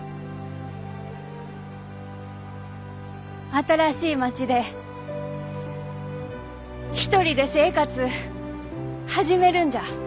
新しい町で一人で生活う始めるんじゃ。